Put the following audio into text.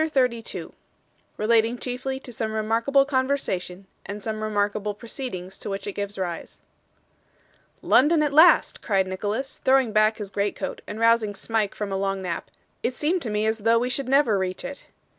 CHAPTER 32 Relating chiefly to some remarkable Conversation, and some remarkable Proceedings to which it gives rise 'London at last!' cried Nicholas, throwing back his greatcoat and rousing Smike from a long nap. 'It seemed to me as though we should never reach it.